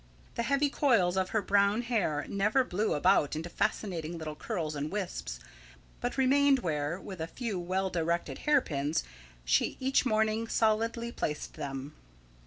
The heavy coils of her brown hair never blew about into fascinating little curls and wisps, but remained where, with a few well directed hairpins, she each morning solidly placed them.